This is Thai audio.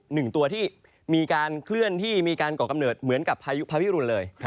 หนึ่งตัวที่มีการเคลื่อนที่มีการก่อกำเนิดเหมือนกับพายุพาวิรุณเลย